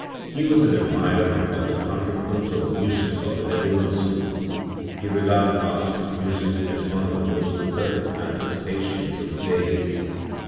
He was an admirer of the contrapuntal music of the Nether lands school. He regarded artistic music as one of the most perfect manifestations of the Deity.